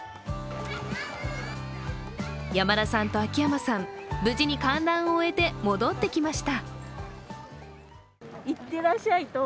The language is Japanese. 山田さんと秋山さん、無事に観覧を終えて戻ってきました。